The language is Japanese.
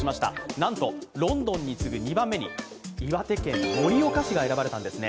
なんと、ロンドンに次ぐ２番目に、岩手県盛岡市が選ばれたんですね。